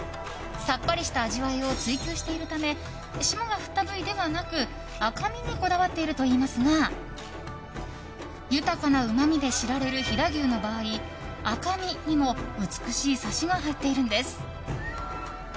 さっぱりした味わいを追求しているため霜が降った部位ではなく赤身にこだわっているといいますが豊かなうまみで知られる飛騨牛の場合赤身にも美しいサシが入っているんです。